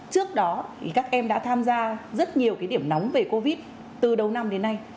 trước đó thì các em đã tham gia rất nhiều cái điểm nóng về covid một mươi chín từ đầu năm đến nay